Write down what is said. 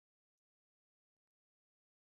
دښتې د افغانانو لپاره په معنوي لحاظ ارزښت لري.